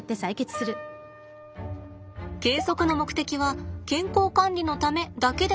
計測の目的は健康管理のためだけではありません。